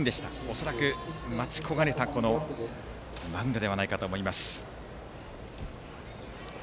恐らく待ち焦がれたマウンドではないかと思います。